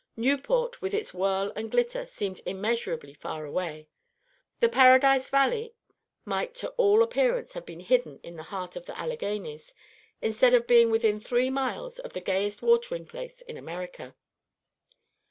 Newport, with its whirl and glitter, seemed immeasurably far away. The Paradise Valley might to all appearance have been hidden in the heart of the Alleghanies, instead of being within three miles of the gayest watering place in America!